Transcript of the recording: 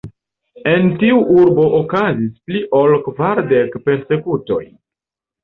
En tiu urbo okazis pli ol kvardek persekutoj.